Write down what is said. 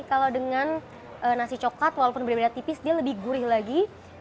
kalau dengan nasi coklat walaupun berbeda beda tipis dia lebih gurih lagi